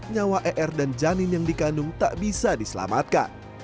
nyawa er dan janin yang dikandung tak bisa diselamatkan